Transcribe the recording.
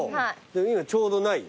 でも今ちょうどないよ。